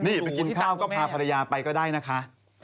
นี่ไปกินข้าวก็พาภรรยาไปก็ได้นะคะ